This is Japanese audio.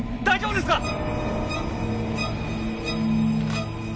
大丈夫ですか？